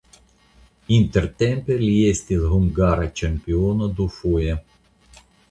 Intertempe li estis hungara ĉampiono dufoje.